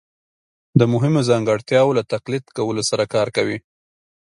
د مهمو ځانګړتیاوو له تقلید کولو سره کار کوي